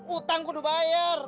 utang ku udah bayar